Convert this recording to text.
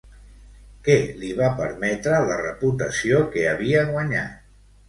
Què li va permetre la reputació que havia guanyat?